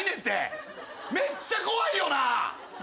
めっちゃ怖いよな！